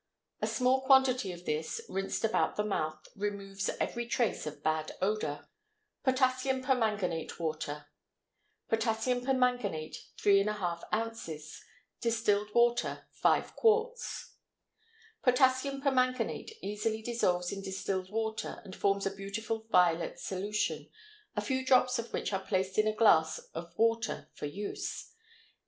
A small quantity of this, rinsed about the mouth, removes every trace of bad odor. POTASSIUM PERMANGANATE WATER. Potassium permanganate 3½ oz. Distilled water 5 qts. Potassium permanganate easily dissolves in distilled water and forms a beautiful violet solution, a few drops of which are placed in a glass of water for use.